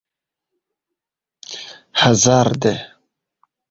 hazarde